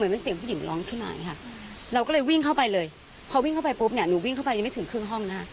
มัววิ่งเข้าไปเลยพอวิ่งเข้าไปปุ๊บเนี่ยนี่ยังไม่ถึงครึ่งห้องนะ